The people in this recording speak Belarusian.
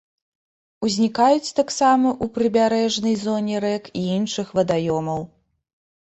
Узнікаюць таксама ў прыбярэжнай зоне рэк і іншых вадаёмаў.